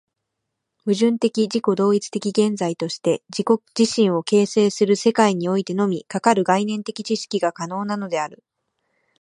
矛盾的自己同一的現在として自己自身を形成する世界においてのみ、かかる概念的知識が可能なのである。